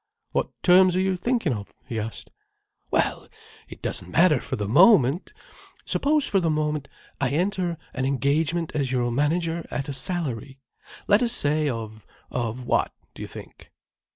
"What terms are you thinking of?" he asked. "Well, it doesn't matter for the moment. Suppose for the moment I enter an engagement as your manager, at a salary, let us say, of—of what, do you think?"